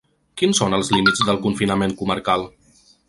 Quins són els límits del confinament comarcal?